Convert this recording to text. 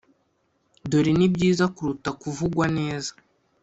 dore nibyiza kuruta kuvugwa neza.